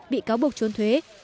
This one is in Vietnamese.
bị cáo buộc trốn thuế